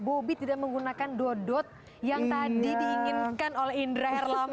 bobi tidak menggunakan dodot yang tadi diinginkan oleh indra herlami